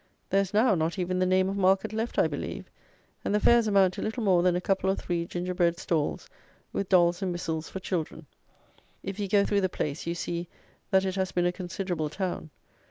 There is now not even the name of market left, I believe; and the fairs amount to little more than a couple or three gingerbread stalls, with dolls and whistles for children. If you go through the place, you see that it has been a considerable town.